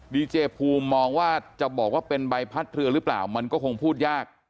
ดีเจภูมิมองว่าจะบอกว่าเป็นใบพัดเรือหรือเปล่ามันก็คงพูดยาก